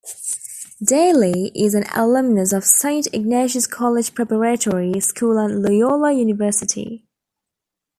Daley is an alumnus of Saint Ignatius College Preparatory School and Loyola University.